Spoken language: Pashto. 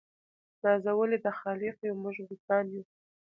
نازولي د خالق یو موږ غوثان یو